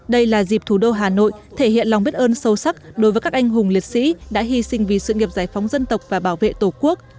đây là dịp thủ đô hà nội thể hiện lòng biết ơn sâu sắc đối với các anh hùng liệt sĩ đã hy sinh vì sự nghiệp giải phóng dân tộc và bảo vệ tổ quốc